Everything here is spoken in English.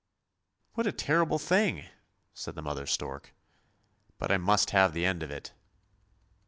"What a terrible thing," said mother stork; "but I must have the end of it."